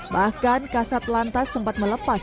bahkan kasat lantas sempat melepas